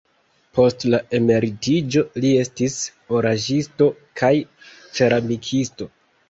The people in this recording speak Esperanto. Post la emeritiĝo li estis oraĵisto kaj ceramikisto.